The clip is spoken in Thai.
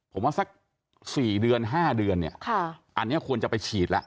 ผมว่าสัก๔เดือน๕เดือนเนี่ยอันนี้ควรจะไปฉีดแล้ว